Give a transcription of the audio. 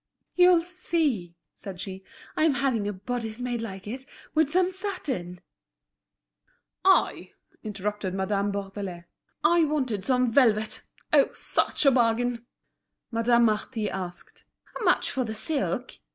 "You'll see." said she. "I am having a bodice made like it, with some satin—" "I," interrupted Madame Bourdelais, "I wanted some velvet. Oh! such a bargain!" Madame Marty asked: "How much for the silk?"